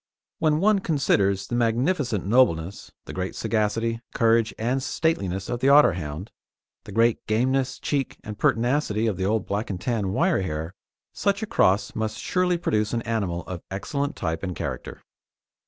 When one considers the magnificent nobleness, the great sagacity, courage, and stateliness of the Otterhound, the great gameness, cheek, and pertinacity of the old Black and Tan wire hair, such a cross must surely produce an animal of excellent type and character.